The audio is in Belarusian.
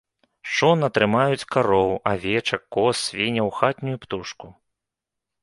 Шона трымаюць кароў, авечак, коз, свінняў, хатнюю птушку.